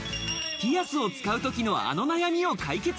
ピアスを使うときのあの悩みを解決。